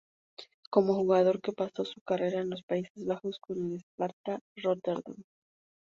Como jugador, que pasó su carrera en los Países Bajos con el Sparta Rotterdam.